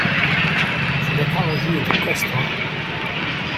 Should I come with you to Keston?